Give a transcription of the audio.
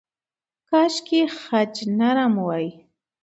کاشکې خج نرم وای.